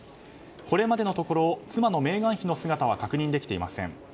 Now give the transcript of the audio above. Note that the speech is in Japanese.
これまでのところ妻のメーガン妃の姿は確認できていません。